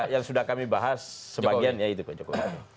yang sudah kami bahas sebagiannya itu